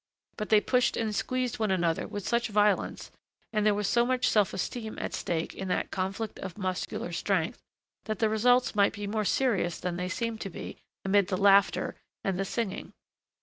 But they pushed and squeezed one another with such violence, and there was so much self esteem at stake in that conflict of muscular strength, that the results might be more serious than they seemed to be amid the laughter and the singing.